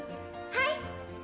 はい。